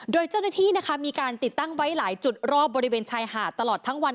โดยเจ้าหน้าที่นะคะมีการติดตั้งไว้หลายจุดรอบบริเวณชายหาดตลอดทั้งวัน